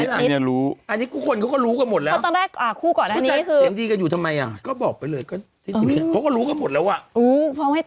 อีกหน่อยชัดเจอหน้าเค้าก็อยู่กับเค้าไม่ได้แล้วเนี่ย